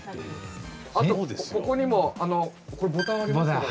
あとここにもボタンありますけど。